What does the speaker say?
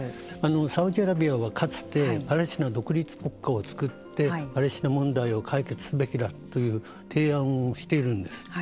サウジアラビアはかつてパレスチナ独立国家を作ってパレスチナ問題を解決すべきだという提案をしているんです。